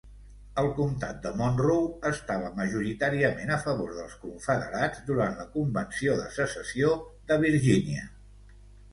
El comtat de Monroe estava majoritàriament a favor dels confederats durant la Convenció de Secessió de Virginia.